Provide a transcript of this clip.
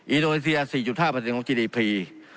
อีโนเรเซีย๔๕ของจีดีพี